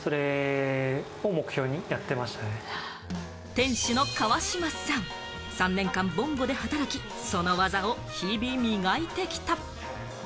店主の川島さん、３年間、ぼんごで働き、その技を日々、磨いてきた。